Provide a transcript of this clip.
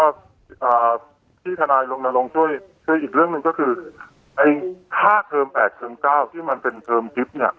อ่าที่ทนายลงนาลงช่วยคืออีกเรื่องหนึ่งก็คือไอ้ค่าเทิมแปดเทิมเก้าที่มันเป็นเทิมทริปเนี้ย